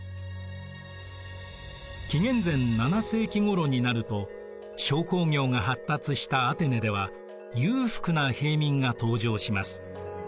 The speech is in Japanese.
紀元前７世紀ごろになると商工業が発達したアテネでは裕福な平民が登場します。